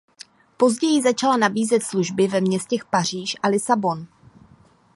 Později začala nabízet služby ve městech Paříž a Lisabon.